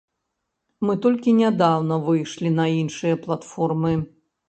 Мы толькі нядаўна выйшлі на іншыя платформы.